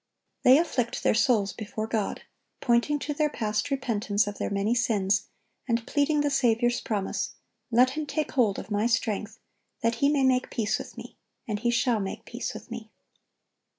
They afflict their souls before God, pointing to their past repentance of their many sins, and pleading the Saviour's promise, "Let him take hold of My strength, that he may make peace with Me; and he shall make peace with Me."